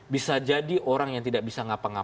bisa jadi orang yang tidak bisa berpengaruh